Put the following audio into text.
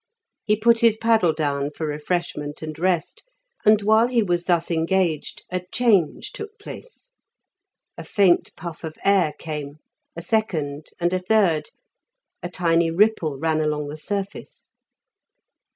He put his paddle down for refreshment and rest, and while he was thus engaged, a change took place. A faint puff of air came; a second, and a third; a tiny ripple ran along the surface.